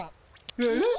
えっ？